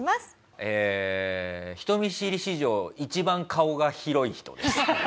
えー人見知り史上一番顔が広い人です。